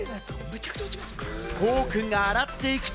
琥生くんが洗っていくと。